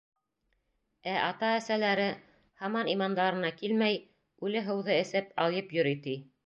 Ә ата-әсәләре, һаман имандарына килмәй, үле һыуҙы эсеп алйып йөрөй, ти.